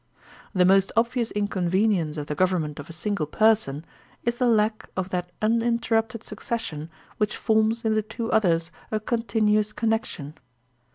The most obvious inconvenience of the government of a single person is the lack of that tminterrupted succes sion which forms in the two others a continuous connec tion.